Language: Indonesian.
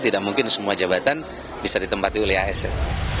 dan mungkin semua jabatan bisa ditempati oleh asn